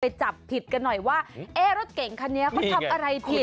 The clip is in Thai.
จับผิดกันหน่อยว่าเอ๊ะรถเก่งคันนี้เขาทำอะไรผิด